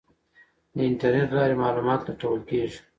د انټرنیټ له لارې معلومات لټول کیږي.